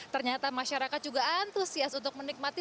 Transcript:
ternyata masyarakat juga antusias untuk menikmati